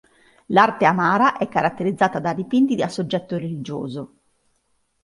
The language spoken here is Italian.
L'arte Amhara è caratterizzata da dipinti a soggetto religioso.